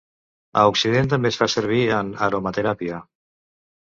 A occident també es fa servir en aromateràpia.